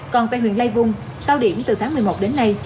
còn tại huyện lai vung cao điểm từ tháng một mươi một đến nay